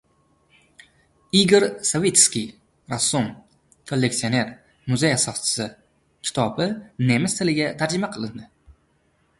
“Igor Savitskiy: rassom, kolleksioner, muzey asoschisi” kitobi nemis tiliga tarjima qilindi